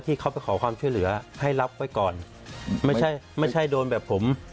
ที่เขาไปขอความช่วยเหลือให้รับไว้ก่อนไม่ใช่ไม่ใช่โดนแบบผม